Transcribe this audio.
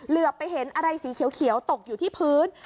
เหลือไปเห็นอะไรสีเขียวตกอยู่ที่พื้น